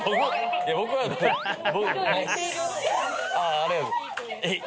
ありがとう。